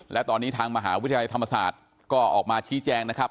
และตอนนี้ทางมหาวิทยาลัยธรรมศาสตร์ก็ออกมาชี้แจงนะครับ